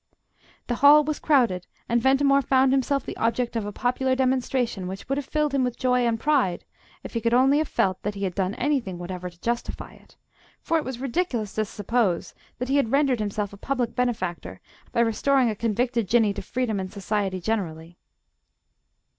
The Hall was crowded, and Ventimore found himself the object of a popular demonstration which would have filled him with joy and pride if he could only have felt that he had done anything whatever to justify it, for it was ridiculous to suppose that he had rendered himself a public benefactor by restoring a convicted Jinnee to freedom and society generally.